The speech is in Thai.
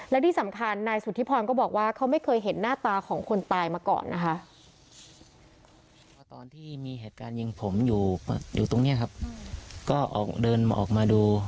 และที่สำคัญนายสุธิพรก็บอกว่าเขาไม่เคยเห็นหน้าตาของคนตายมาก่อนนะคะ